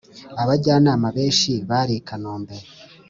abajyanama benshi bari i kanombe